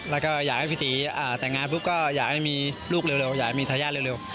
แล้วก็อยากให้พี่ตีแต่งงานปุ๊บก็อยากให้มีลูกเร็วอยากมีทายาทเร็ว